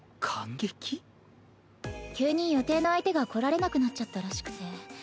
急に予定の相手が来られなくなっちゃったらしくて。